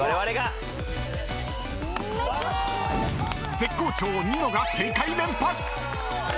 絶好調ニノが正解連発。